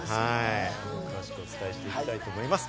また後ほど詳しくお伝えしていきたいと思います。